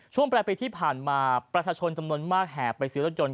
ช่วงปลายปีที่ผ่านมาประชาชนจำนวนมากแห่ไปซื้อรถยนต์